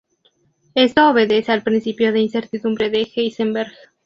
Esto obedece al principio de incertidumbre de Heisenberg.